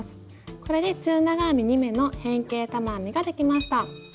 これで中長編み２目の変形玉編みができました。